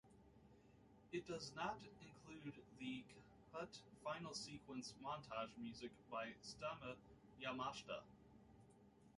It does not include the cut final sequence montage music by Stomu Yamashta.